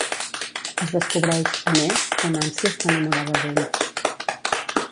Es descobreix, a més, que Nancy està enamorada d'ell.